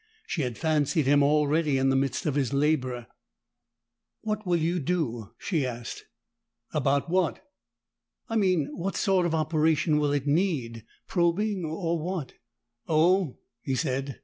She had fancied him already in the midst of his labor. "What will you do?" she asked. "About what?" "I mean what sort of operation will it need? Probing or what?" "Oh," he said.